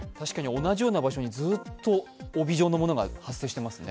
同じような場所にずっと帯状のものが発生していますね。